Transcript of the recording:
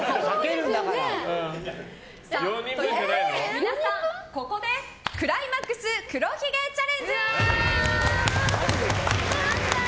皆さん、ここでクライマックス黒ひげチャレンジ！